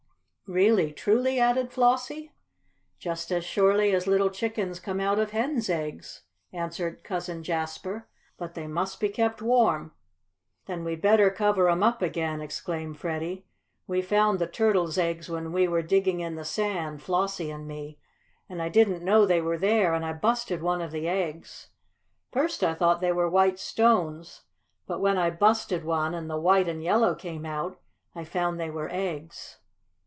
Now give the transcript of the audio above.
"Really, truly?" added Flossie. "Just as surely as little chickens come out of hen's eggs," answered Cousin Jasper. "But they must be kept warm." "Then we'd better cover 'em up again!" exclaimed Freddie. "We found the turtle's eggs when we were digging in the sand Flossie and me. And I didn't know they were there and I busted one of the eggs. First I thought they were white stones, but when I busted one, and the white and yellow came out, I found they were eggs."